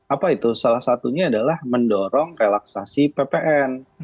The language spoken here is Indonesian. apa itu salah satunya adalah mendorong relaksasi ppn